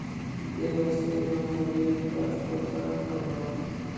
دې وسیلې مذهبي تعصبات کمول.